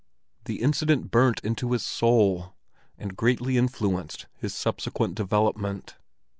The incident burnt into his soul, and greatly influenced his subsequent development.